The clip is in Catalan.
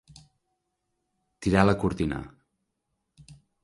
Tirar la cortina.